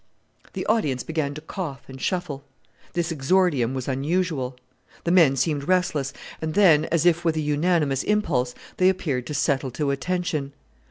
The audience began to cough and shuffle. This exordium was unusual. The men seemed restless, and then, as if with an unanimous impulse, they appeared to settle to attention.